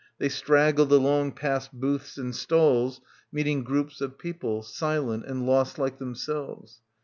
They struggled along past booths and stalls, meet ing groups of people, silent and lost like them selves.